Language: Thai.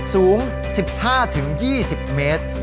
สูง๑๕๒๐เมตร